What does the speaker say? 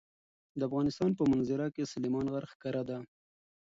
د افغانستان په منظره کې سلیمان غر ښکاره ده.